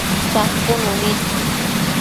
capunu nid